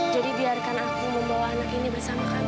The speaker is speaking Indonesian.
jadi biarkan aku membawa anak ini bersama kami